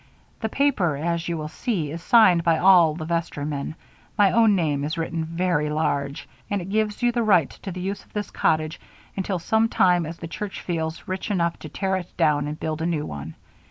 The paper, as you will see, is signed by all the vestrymen my own name is written very large and it gives you the right to the use of this cottage until such time as the church feels rich enough to tear it down and build a new one.